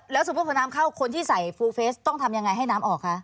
แล้วสมมุติพอน้ำเข้าคนที่ใส่ฟูเฟสต้องทำยังไงให้น้ำออกคะ